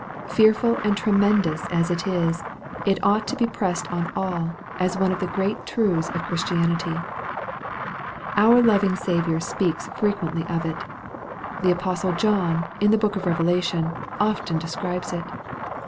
Fearful and tremendous as it is, it ought to be pressed on all, as one of the great truths of Chris tianity. Our loving Saviour speaks frequently of it. The apostle John, in the book of Revelation, often de scribes it.